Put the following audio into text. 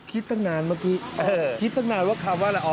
คิดตั้งนานเมื่อกี้คิดตั้งนานว่าคำว่าละออ